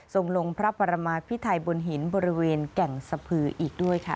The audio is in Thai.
ส่งลงพระปรมาพิไทยบนหินบริเวณแก่งสะพืออีกด้วยค่ะ